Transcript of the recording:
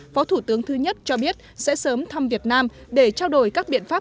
phó thủ tướng thứ nhất cho biết sẽ sớm thăm việt nam để trao đổi các biện pháp